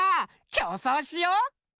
きょうそうしよう。